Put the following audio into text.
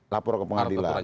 lapor ke pengadilan